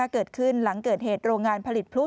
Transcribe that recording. เกิดขึ้นหลังเกิดเหตุโรงงานผลิตพลุ